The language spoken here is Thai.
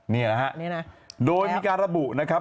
นี่นะฮะโดยมีการระบุนะครับ